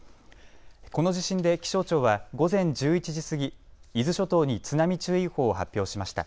この地震で気象庁は午前１１時過ぎ、伊豆諸島に津波注意報を発表しました。